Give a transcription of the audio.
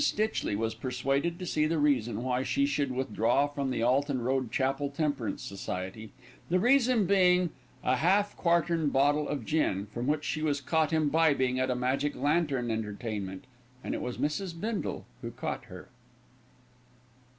Stitchley was persuaded to see the reason why she should withdraw from the Alton Road Chapel Temperance Society, the reason being a half quartern bottle of gin, from which she was caught imbibing at a magic lantern entertainment, and it was Mrs. Bindle who caught her.